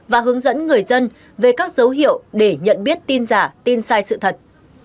và hướng dẫn người dân về các dấu hiệu để nhận biết tin giả tin sai sự thật